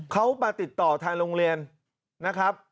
เขามาติดต่อทางโรงเรียนนะครับ